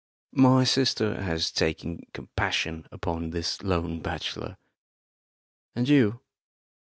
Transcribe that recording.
"My sister has taken compassion upon this lone bachelor. And you?"